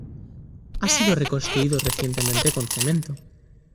Ha sido reconstruido recientemente con cemento.